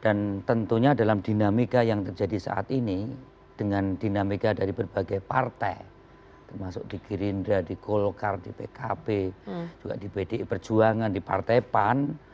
dan tentunya dalam dinamika yang terjadi saat ini dengan dinamika dari berbagai partai termasuk di girindra di golkar di pkb juga di pdi perjuangan di partai pan